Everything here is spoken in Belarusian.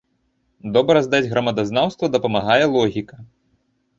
Добра здаць грамадазнаўства дапамагае логіка.